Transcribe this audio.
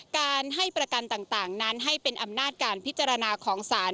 การให้ประกันต่างนั้นให้เป็นอำนาจการพิจารณาของศาล